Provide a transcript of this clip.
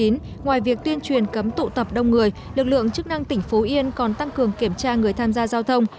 ngoài việc tuyên truyền cấm tụ tập đông người lực lượng chức năng tỉnh phú yên còn tăng cường kiểm tra người tham gia giao thông